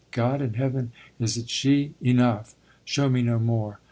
God in Heaven, is it she? Enough! Show me no more.